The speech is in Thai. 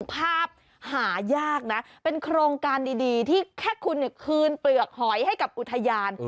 ภาพหายากนะเป็นโครงการดีที่แค่คุณคืนเปลือกหอยให้กับอุทยาน